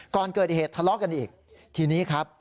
ก่อนเกิดเหตุทะเลาะกันอีกทีนี้ครับ